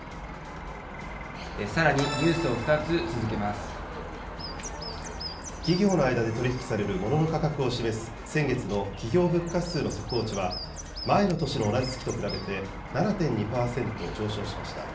さらにニュースを２つ続けま企業の間で取り引きされるモノの価格を示す、先月の企業物価指数の速報値は、前の年の同じ月と比べて、７．２％上昇しました。